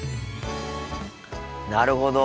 なるほど。